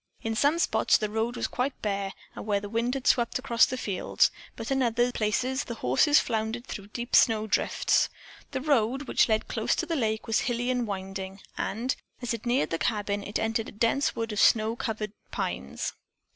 In some spots the road was quite bare where the wind had swept across the fields, but in other places the horses floundered through deep snow drifts. The road, which led close to the lake, was hilly and winding, and, as it neared the cabin, it entered a dense wood of snow covered pines.